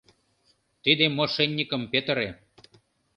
Тиде мошенникым петыре.